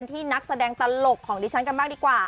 ที่นักแสดงตลกของดิฉันกันบ้างดีกว่า